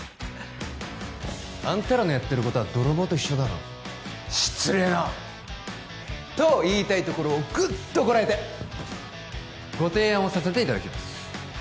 あんたらのやってることは泥棒と一緒だろ失礼な！と言いたいところをグッとこらえてご提案をさせていただきます